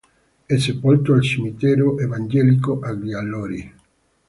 È sepolto al Cimitero Evangelico agli Allori.